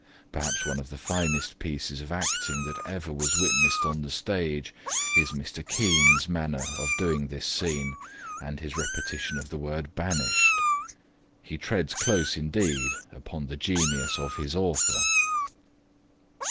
Perhaps one of the finest pieces of acting that ever was witnessed on the stage, is Mr. Kean's manner of doing this scene and his repetition of the word, BANISHED. He treads close indeed upon the genius of his author.